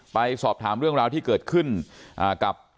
ไปสอบถามเรื่องราวที่เกิดขึ้นกับ